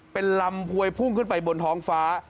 เป็นลำพวยพุ่งขึ้นไปบนท้องฟ้า